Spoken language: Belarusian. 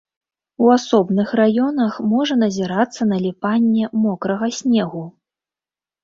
У асобных раёнах можа назірацца наліпанне мокрага снегу.